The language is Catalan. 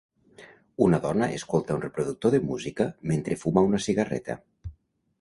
Una dona escolta un reproductor de música mentre fuma una cigarreta.